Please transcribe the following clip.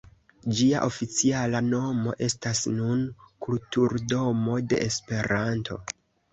Ĝia oficiala nomo estas nun “Kulturdomo de Esperanto”.